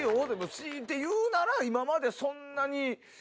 強いて言うなら今までそんなに。